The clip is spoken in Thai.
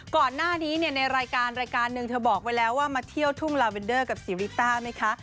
ก่อนหน้านี้เนี่ยในรายการรายการหนึ่งเธอบอกไว้แล้วว่ามาเที่ยวทุ่งลาเวนเดอร์กับซีริต้าไหมคะ